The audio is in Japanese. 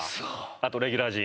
あとレギュラー陣